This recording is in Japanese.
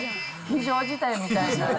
非常事態みたいな。